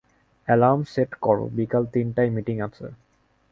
Alarm set করো, বিকাল তিন টায় মিটিং আছে।